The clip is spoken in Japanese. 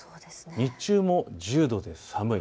日中も１０度で寒い。